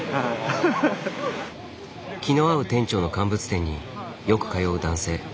気の合う店長の乾物店によく通う男性。